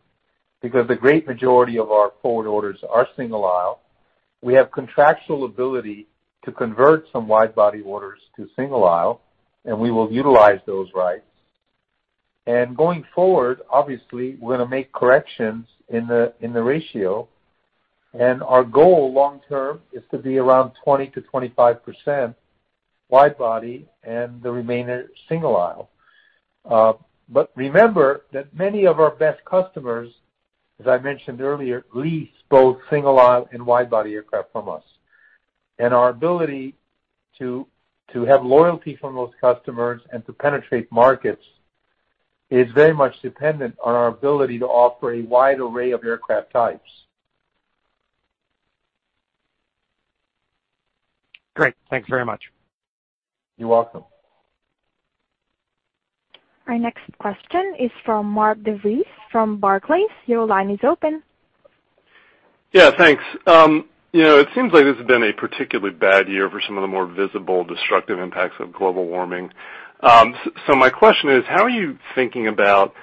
because the great majority of our forward orders are single aisle. We have contractual ability to convert some wide body orders to single aisle, and we will utilize those rights. Going forward, obviously, we're going to make corrections in the ratio, and our goal long term is to be around 20%-25% wide body and the remainder single aisle. Remember that many of our best customers, as I mentioned earlier, lease both single aisle and wide body aircraft from us. Our ability to have loyalty from those customers and to penetrate markets is very much dependent on our ability to offer a wide array of aircraft types. Great. Thanks very much. You're welcome. Our next question is from Mark DeVries from Barclays. Your line is open. Yeah, thanks. It seems like this has been a particularly bad year for some of the more visible, destructive impacts of global warming. My question is, how are you thinking about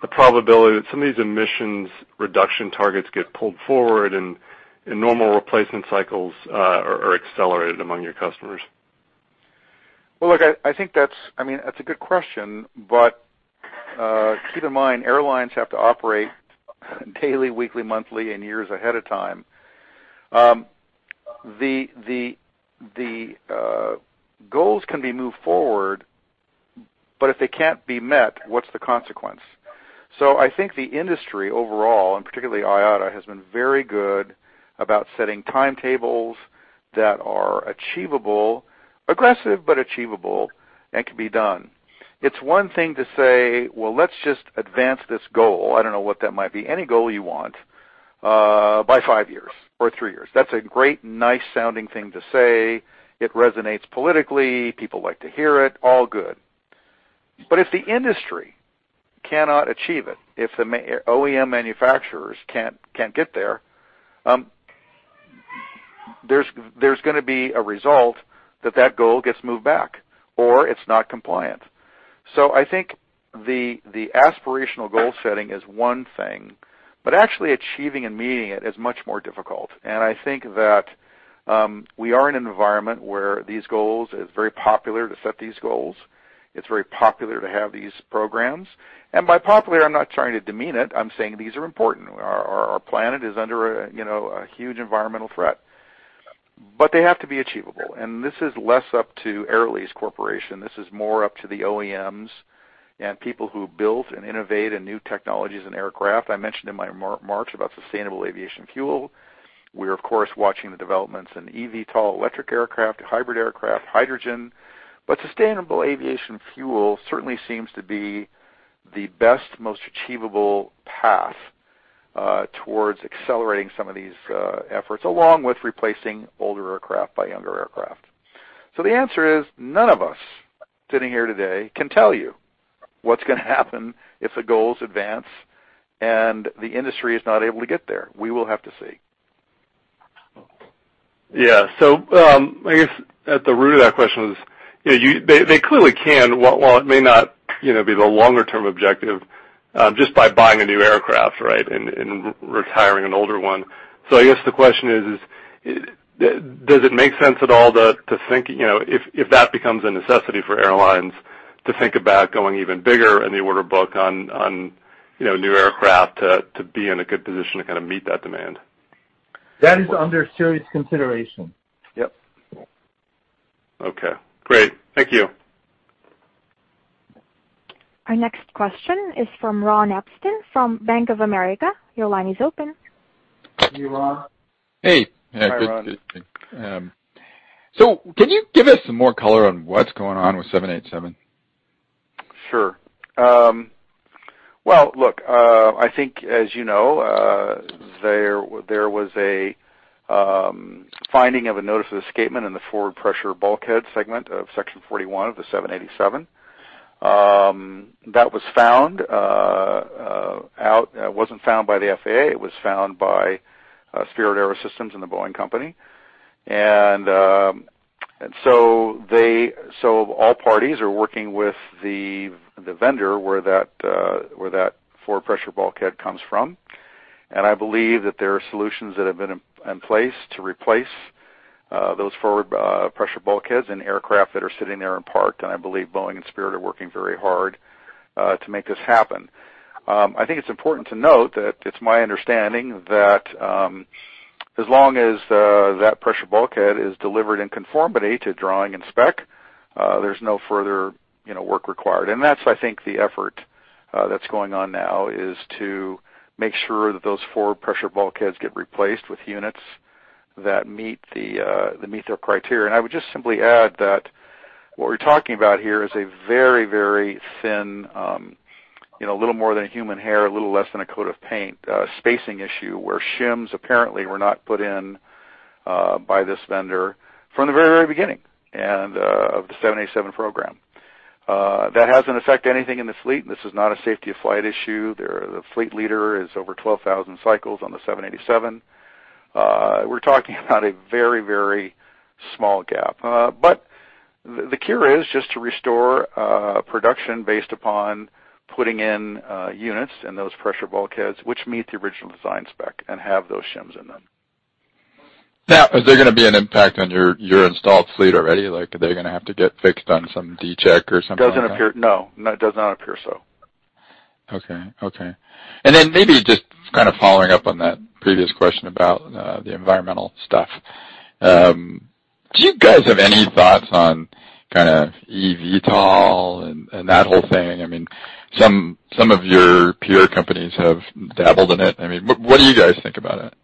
the probability that some of these emissions reduction targets get pulled forward and normal replacement cycles are accelerated among your customers? Well, look, that's a good question. Keep in mind, airlines have to operate daily, weekly, monthly, and years ahead of time. The goals can be moved forward. If they can't be met, what's the consequence? I think the industry overall, and particularly IATA, has been very good about setting timetables that are achievable, aggressive, but achievable and can be done. It's one thing to say, Well, let's just advance this goal. I don't know what that might be, any goal you want, by five years or three years. That's a great, nice-sounding thing to say. It resonates politically. People like to hear it. All good. If the industry cannot achieve it, if the OEM manufacturers can't get there's going to be a result that goal gets moved back, or it's not compliant. I think the aspirational goal setting is one thing, but actually achieving and meeting it is much more difficult. I think that we are in an environment where these goals, it's very popular to set these goals. It's very popular to have these programs. By popular, I'm not trying to demean it. I'm saying these are important. Our planet is under a huge environmental threat. They have to be achievable, and this is less up to Air Lease Corporation. This is more up to the OEMs and people who build and innovate in new technologies and aircraft. I mentioned in my remarks about sustainable aviation fuel. We're, of course, watching the developments in eVTOL electric aircraft, hybrid aircraft, hydrogen. Sustainable aviation fuel certainly seems to be the best, most achievable path towards accelerating some of these efforts, along with replacing older aircraft by younger aircraft. The answer is, none of us sitting here today can tell you what's going to happen if the goals advance and the industry is not able to get there. We will have to see. I guess at the root of that question was, they clearly can, while it may not be the longer-term objective, just by buying a new aircraft, right, and retiring an older one. I guess the question is, does it make sense at all, if that becomes a necessity for airlines, to think about going even bigger in the order book on new aircraft to be in a good position to meet that demand? That is under serious consideration. Yep. Okay, great. Thank you. Our next question is from Ron Epstein from Bank of America. Your line is open. Hey, Ron. Hey. Hi, Ron. Can you give us some more color on what's going on with 787? Sure. Well, look, I think as you know, there was a finding of a notice of escapement in the forward pressure bulkhead segment of section 41 of the 787. That wasn't found by the FAA. It was found by Spirit AeroSystems and the Boeing company. All parties are working with the vendor where that forward pressure bulkhead comes from, I believe that there are solutions that have been in place to replace those forward pressure bulkheads in aircraft that are sitting there in park. I believe Boeing and Spirit are working very hard to make this happen. I think it's important to note that it's my understanding that as long as that pressure bulkhead is delivered in conformity to drawing and spec, there's no further work required. That's, I think, the effort that's going on now is to make sure that those forward pressure bulkheads get replaced with units that meet their criteria. I would just simply add that what we're talking about here is a very, very thin, a little more than a human hair, a little less than a coat of paint, spacing issue where shims apparently were not put in by this vendor from the very, very beginning of the 787 program. That hasn't affected anything in the fleet. This is not a safety of flight issue. The fleet leader is over 12,000 cycles on the 787. We're talking about a very, very small gap. The cure is just to restore production based upon putting in units and those pressure bulkheads which meet the original design spec and have those shims in them. Is there going to be an impact on your installed fleet already? Like, are they going to have to get fixed on some D check or something like that? No. It does not appear so. Okay. Maybe just following up on that previous question about the environmental stuff. Do you guys have any thoughts on eVTOL and that whole thing? Some of your peer companies have dabbled in it. What do you guys think about it?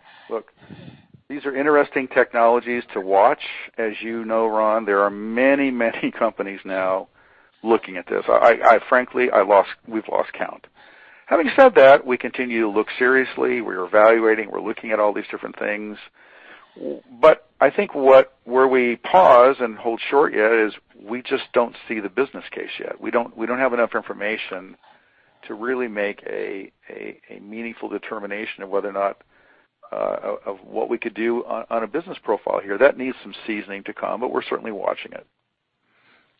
These are interesting technologies to watch. As you know, Ron, there are many companies now looking at this. Frankly, we've lost count. Having said that, we continue to look seriously. We're evaluating, we're looking at all these different things. I think where we pause and hold short yet is we just don't see the business case yet. We don't have enough information to really make a meaningful determination of what we could do on a business profile here. That needs some seasoning to come, but we're certainly watching it.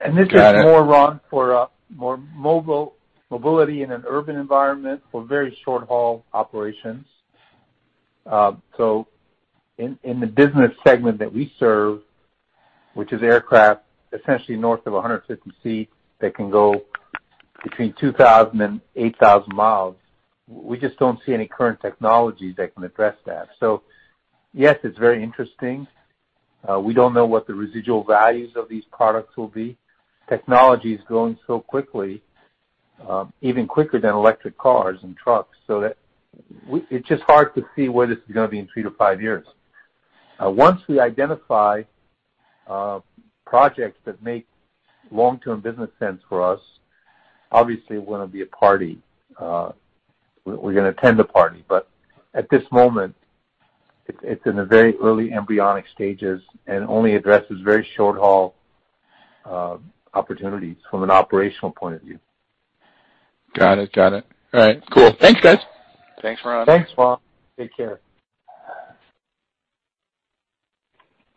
Got it. This is more, Ron, for more mobility in an urban environment for very short-haul operations. In the business segment that we serve, which is aircraft essentially north of 150-seat that can go between 2,000 and 8,000 miles, we just don't see any current technologies that can address that. Yes, it's very interesting. We don't know what the residual values of these products will be. Technology's growing so quickly, even quicker than electric cars and trucks, so that it's just hard to see where this is going to be in three to five years. Once we identify projects that make long-term business sense for us, obviously we're going to attend a party. At this moment, it's in the very early embryonic stages and only addresses very short-haul opportunities from an operational point of view. Got it. All right, cool. Thanks, guys. Thanks, Ron. Thanks, Ron. Take care.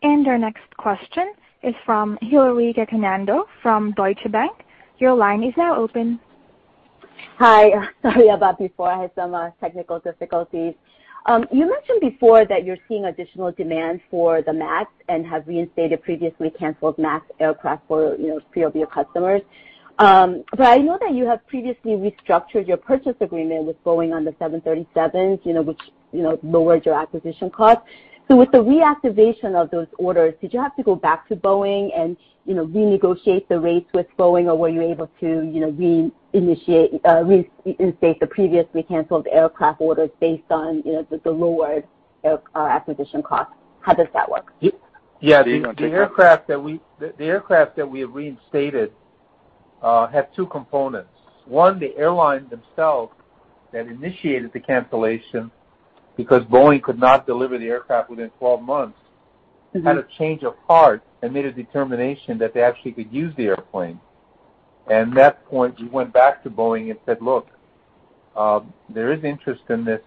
Our next question is from Hillary Cacanando from Deutsche Bank. Your line is now open. Hi. Sorry about before. I had some technical difficulties. You mentioned before that you're seeing additional demand for the MAX and have reinstated previously canceled MAX aircraft for pre-order customers. I know that you have previously restructured your purchase agreement with Boeing on the 737s, which lowered your acquisition costs. With the reactivation of those orders, did you have to go back to Boeing and renegotiate the rates with Boeing or were you able to reinstate the previously canceled aircraft orders based on the lowered acquisition costs? How does that work? Yeah. The aircraft that we have reinstated have two components. One, the airline themselves that initiated the cancellation because Boeing could not deliver the aircraft within 12 months, had a change of heart and made a determination that they actually could use the airplane. At that point, we went back to Boeing and said, Look, there is interest in this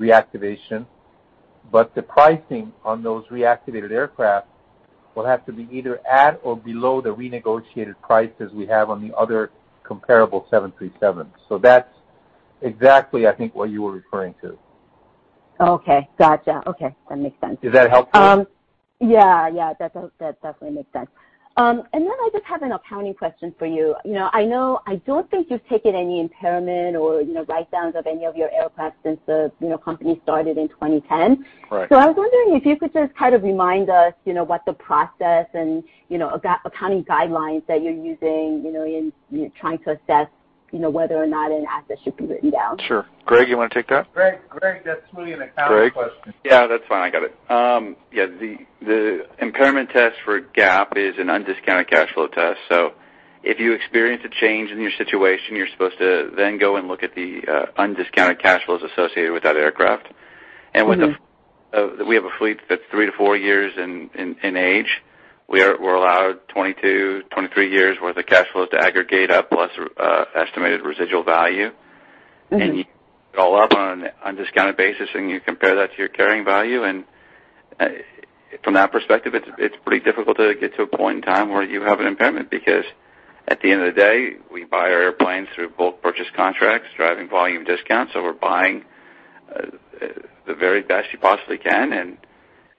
reactivation, but the pricing on those reactivated aircraft will have to be either at or below the renegotiated prices we have on the other comparable 737s. That's exactly, I think, what you were referring to. Okay. Gotcha. Okay. That makes sense. Does that help? Yeah. That definitely makes sense. I just have an accounting question for you. I don't think you've taken any impairment or write-downs of any of your aircraft since the company started in 2010. Right. I was wondering if you could just kind of remind us what the process and accounting guidelines that you're using in trying to assess whether or not an asset should be written down? Sure. Greg, you want to take that? Greg, that's really an accounting question. Yeah, that's fine. I got it. Yeah, the impairment test for GAAP is an undiscounted cash flow test. If you experience a change in your situation, you're supposed to then go and look at the undiscounted cash flows associated with that aircraft. We have a fleet that's three years-four years in age. We're allowed 22, 23 years' worth of cash flows to aggregate up, plus estimated residual value. You add it all up on an undiscounted basis, and you compare that to your carrying value, and from that perspective, it's pretty difficult to get to a point in time where you have an impairment because at the end of the day, we buy our airplanes through bulk purchase contracts, driving volume discounts. We're buying the very best you possibly can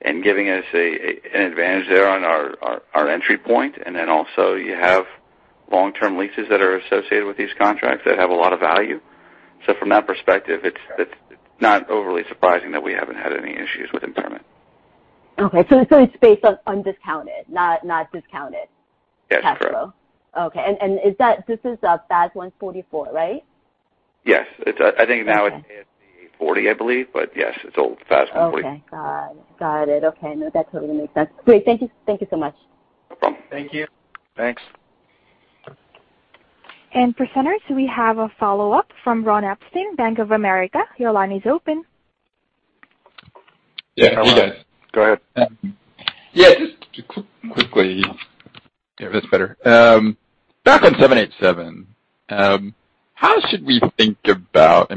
and giving us an advantage there on our entry point, and then also you have long-term leases that are associated with these contracts that have a lot of value. From that perspective, it's not overly surprising that we haven't had any issues with impairment. Okay. It's based on undiscounted, not discounted cash flow. That's correct. Okay. This is FAS 144, right? Yes. I think now it's ASC 360, I believe. Yes, it's old FAS 144. Okay. Got it. Okay. No, that totally makes sense. Great. Thank you so much. Thank you. Thanks. Presenters, we have a follow-up from Ron Epstein, Bank of America. Your line is open. Yeah. Hi. Go ahead. Yeah, just quickly. There, that's better. Back on 787, how should we think about?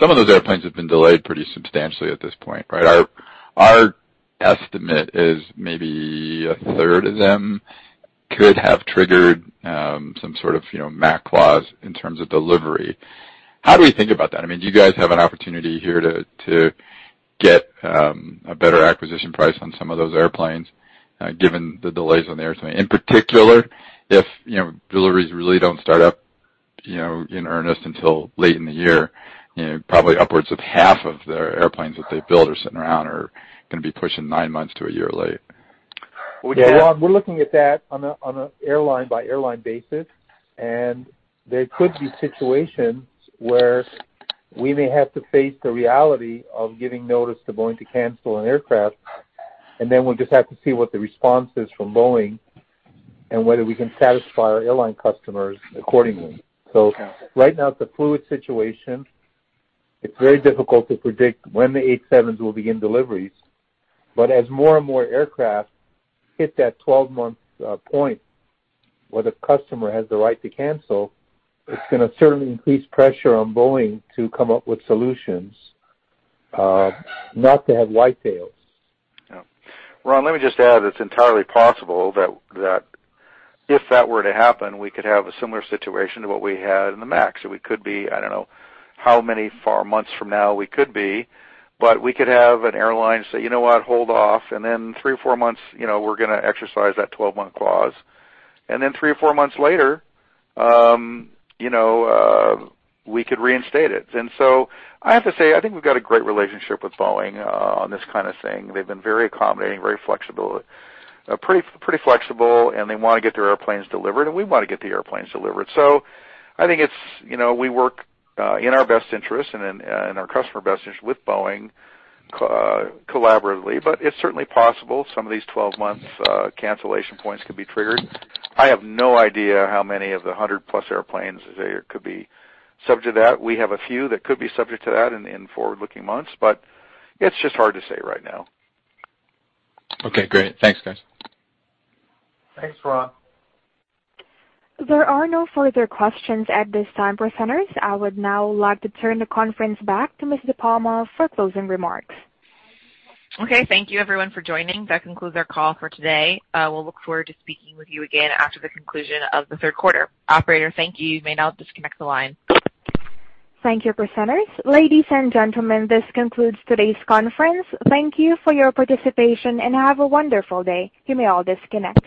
Some of those airplanes have been delayed pretty substantially at this point, right? Our estimate is maybe a third of them could have triggered some sort of MAC clause in terms of delivery. How do we think about that? Do you guys have an opportunity here to get a better acquisition price on some of those airplanes, given the delays on the airplane? In particular, if deliveries really don't start up in earnest until late in the year, probably upwards of half of their airplanes that they've built are sitting around or going to be pushing nine months to a year late. Yeah, Ron, we're looking at that on an airline-by-airline basis, and there could be situations where we may have to face the reality of giving notice to Boeing to cancel an aircraft, and then we'll just have to see what the response is from Boeing and whether we can satisfy our airline customers accordingly. Right now, it's a fluid situation. It's very difficult to predict when the 787s will begin deliveries. As more and more aircraft hit that 12-month point where the customer has the right to cancel, it's going to certainly increase pressure on Boeing to come up with solutions, not to have white tails. Ron, let me just add, it's entirely possible that if that were to happen, we could have a similar situation to what we had in the MAX. I don't know how many months from now we could be, but we could have an airline say, You know what? Hold off, then three or four months, We're going to exercise that 12-month clause. Then three or four months later, we could reinstate it. I have to say, I think we've got a great relationship with Boeing on this kind of thing. They've been very accommodating, pretty flexible, and they want to get their airplanes delivered, and we want to get the airplanes delivered. I think we work in our best interest and in our customer best interest with Boeing collaboratively. It's certainly possible some of these 12-month cancellation points could be triggered. I have no idea how many of the 100+ airplanes there could be subject to that. We have a few that could be subject to that in forward-looking months, it's just hard to say right now. Okay, great. Thanks, guys. Thanks, Ron. There are no further questions at this time, presenters. I would now like to turn the conference back to Ms. Mary Liz DePalma for closing remarks. Okay, thank you everyone for joining. That concludes our call for today. We'll look forward to speaking with you again after the conclusion of the third quarter. Operator, thank you. You may now disconnect the line. Thank you, presenters. Ladies and gentlemen, this concludes today's conference. Thank you for your participation, and have a wonderful day. You may all disconnect.